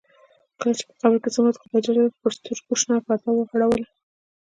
کله چې په قبر کې څملاست خدای جل جلاله پر سترګو شنه پرده وغوړوله.